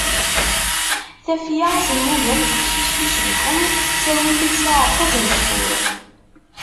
Tafya temmug am teqcict icebḥen, tettawi yid-s aɛekkaz n ssḥur.